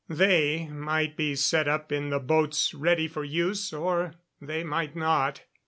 They might be set up in the boats ready for use, or they might not.